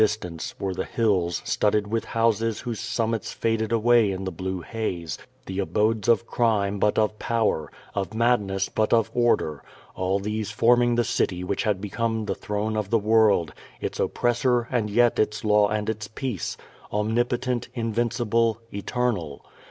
495 distance, were the hills studded with houses whose summits faded away in the blue haze, the abodes of crime but of power, of madness but of order, all these forming the city which had become the throne of the world, its oppressor and yet its law and its peace, omnipotent, invincible, eternal.